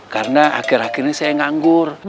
karena akhir akhir ini saya nganggur